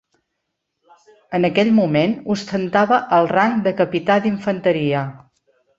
En aquell moment ostentava el rang de capità d'infanteria.